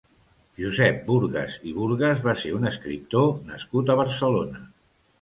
Josep Burgas i Burgas va ser un escriptor nascut a Barcelona.